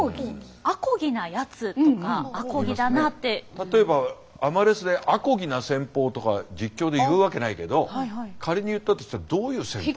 例えばアマレスで「あこぎな戦法」とか実況で言うわけないけど仮に言ったとしたらどういう戦法？